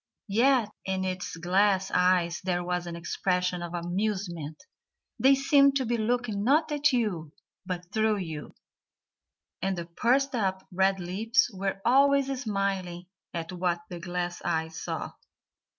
Yet in its glass eyes there was an expression of amusement; they seemed to be looking not at you but through you, and the pursed up red lips were always smiling at what the glass eyes saw.